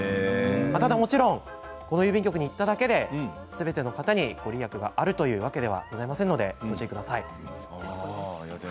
ただ、もちろんこの郵便局に行っただけですべての方に御利益があるというわけではございませんのでご注意ください。